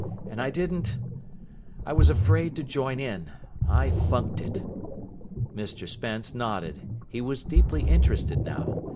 And I didn't I was afraid to join in. I funked it." Mr Spence nodded. He was deeply interested now.